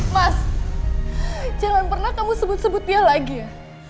mas jangan pernah kamu sebut sebut dia lagi ya